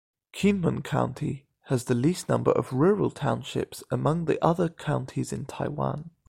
Kinmen County has the least number of rural townships among other counties in Taiwan.